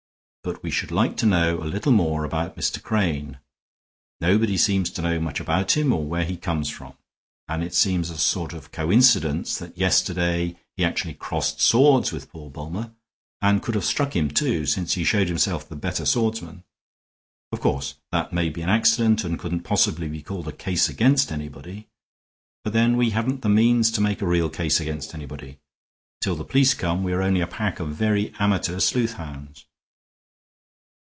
"But we should like to know a little more about Mr. Crane. Nobody seems to know much about him, or where he comes from. And it seems a sort of coincidence that yesterday he actually crossed swords with poor Bulmer, and could have stuck him, too, since he showed himself the better swordsman. Of course, that may be an accident and couldn't possibly be called a case against anybody; but then we haven't the means to make a real case against anybody. Till the police come we are only a pack of very amateur sleuthhounds."